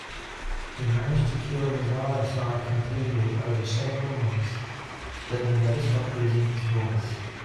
He managed to cure his RSI completely over several months, but he never stopped using his voice.